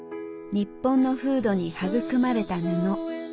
にっぽんの風土に育まれた布。